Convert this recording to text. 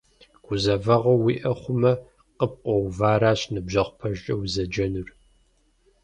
Гузэвэгъуэ уиӀэ хъумэ, къыпкъуэувэращ ныбжьэгъу пэжкӀэ узэджэнур.